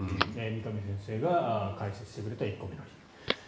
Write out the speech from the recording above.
三上先生が解説してくれた１個目の理由。